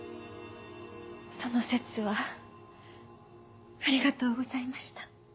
その節はありがとうございました。